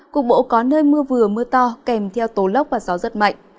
cục bộ có nơi mưa vừa mưa to kèm theo tố lốc và gió rất mạnh